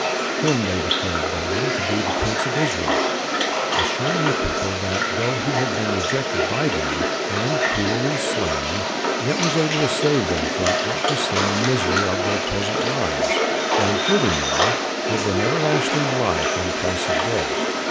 Him they declared boldly to be the Prince of Israel; assuring the people that though he had been rejected by them and cruelly slain, yet was he able to save them from out the sin and misery of their present lives, and furthermore give them everlasting life in place of death.